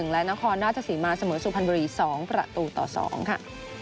และนครราชสีมาเสมอสุพรรณบุรี๒ประตูต่อ๒ค่ะ